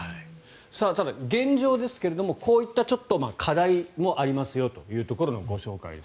ただ、現状ですけれどこういった課題もありますよというところのご紹介です。